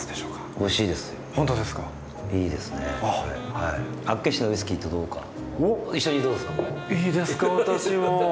いいですか私も。